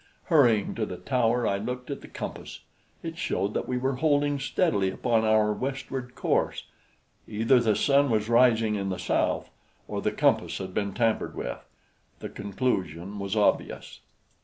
Hurrying to the tower, I looked at the compass. It showed that we were holding steadily upon our westward course. Either the sun was rising in the south, or the compass had been tampered with. The conclusion was obvious.